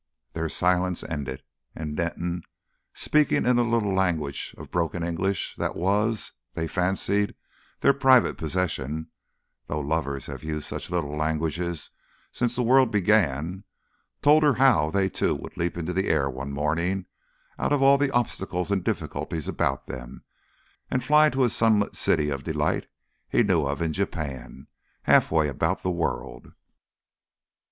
Their silence ended; and Denton, speaking in a little language of broken English that was, they fancied, their private possession though lovers have used such little languages since the world began told her how they too would leap into the air one morning out of all the obstacles and difficulties about them, and fly to a sunlit city of delight he knew of in Japan, half way about the world.